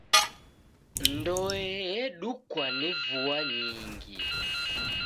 Ndoe edukwa ni vua nyingi.